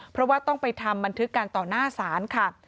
เพราะว่าต้องไปทำบันทึกการต่อหน้าศาลค่ะ